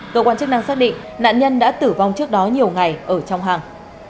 cơ quan chức năng xác định nạn nhân đã tử vong trước đó nhiều ngày ở trong hàng